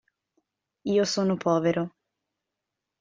Io sono povero.